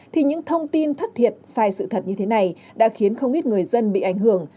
thì những thông tin thất thiệt sai sự thật như thế này đã khiến không ít người dân bị ảnh hưởng